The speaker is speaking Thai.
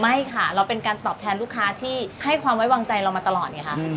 ไม่ค่ะเราเป็นการตอบแทนลูกค้าที่ให้ความไว้วางใจเรามาตลอดไงคะ